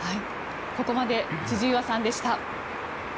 ここまで千々岩さんでした。